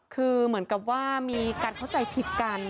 คือเหมือนกับว่ามีการเข้าใจผิดกัน